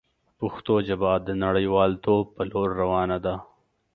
پښتو ژبه د نړیوالتوب په لور روانه ده.